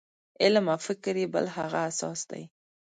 علم او فکر یې بل هغه اساس دی.